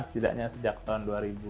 setidaknya sejak tahun dua ribu